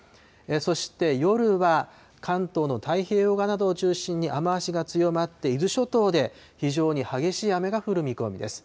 そして夜は、関東の太平洋側などを中心に、雨足が強まって、伊豆諸島で非常に激しい雨が降る見込みです。